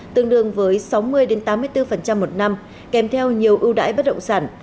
tương đương với sáu mươi tám mươi bốn một năm kèm theo nhiều ưu đãi bất động sản